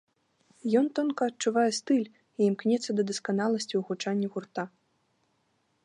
Ён тонка адчувае стыль і імкнецца да дасканаласці ў гучанні гурта.